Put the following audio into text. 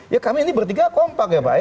ya kami ini bertiga kompak ya pak ya